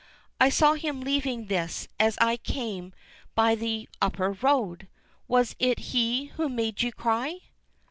"I saw him leaving this as I came by the upper road! Was it he who made you cry?"